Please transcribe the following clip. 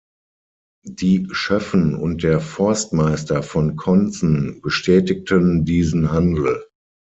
Die Schöffen und der Forstmeister von Konzen bestätigten diesen Handel.